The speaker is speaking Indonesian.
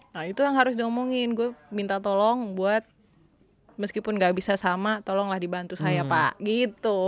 nah itu yang harus diomongin gue minta tolong buat meskipun gak bisa sama tolonglah dibantu saya pak gitu